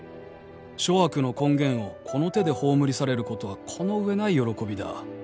「諸悪の根源をこの手で葬り去れることはこの上ない喜びだ」